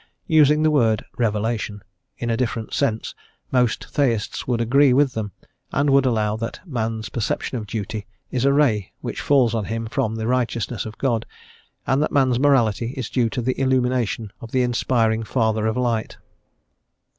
Using the word "revelation" in a different sense most Theists would agree with them, and would allow that man's perception of duty is a ray which falls on him from the Righteousness of God, and that man's morality is due to the illumination of the inspiring Father of Light.